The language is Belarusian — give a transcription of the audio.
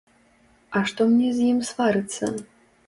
А што мне з ім сварыцца?